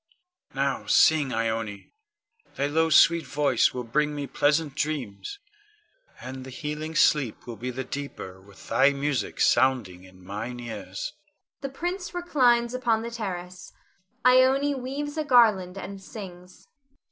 Now sing, Ione; thy low sweet voice will bring me pleasant dreams, and the healing sleep will be the deeper with thy music sounding in mine ears. [The prince reclines upon the terrace. Ione _weaves a garland and sings.